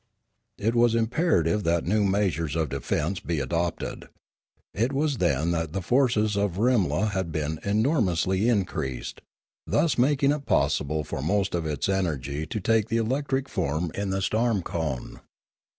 It was imperative that new measures of defence be adopted. It was then that the forces of Rimla had been enormously increased, thus making it possible for most of its energy to take the electric form in the storm cone.